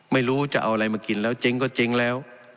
ไม่รู้จะเอาอะไรมากินแล้วเจ๊งก็เจ๊งแล้ว